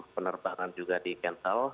penerbangan juga dikental